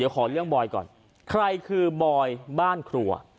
ขอเรื่องบอยก่อนใครคือบอยบ้านครัว